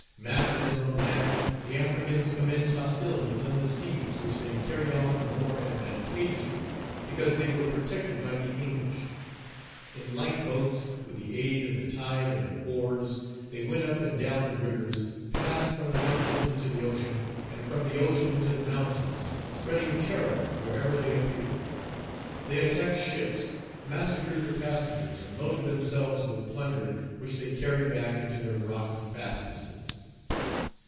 Masters on land, the Africans commenced hostilities on the seas, which they carried on the more advantageously because they were protected by the English. In light boats, with the aid of the tide and of oars, they Page 272 went up and down the rivers, passed from the mountains into the ocean, and from the ocean into the mountains, spreading terror wherever they appeared. They attacked ships, massacred the passengers, and loaded themselves with plunder, which they carried back into their rocky fastnesses.